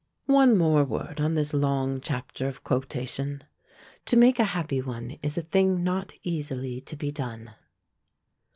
One word more on this long chapter of QUOTATION. To make a happy one is a thing not easily to be done.